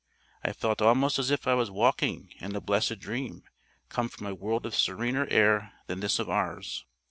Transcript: I felt almost as if I was walking in a blessed dream come from a world of serener air than this of ours.